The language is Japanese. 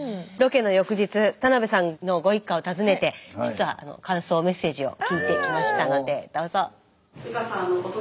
ロケの翌日田さんのご一家を訪ねて実は感想メッセージを聞いてきましたのでどうぞ。